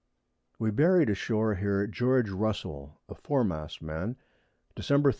_] We buried ashore here, George Russel, a Foremast man, Dec. 30.